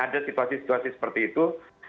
ada situasi situasi seperti itu